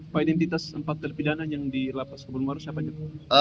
pak identitas empat terpidana yang di lapas cerbon baru siapa